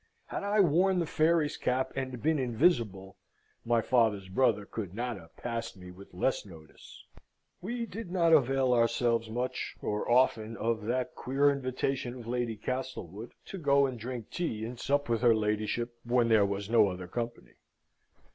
Had I worn the Fairy's cap and been invisible, my father's brother could not have passed me with less notice. We did not avail ourselves much, or often, of that queer invitation of Lady Castlewood, to go and drink tea and sup with her ladyship when there was no other company.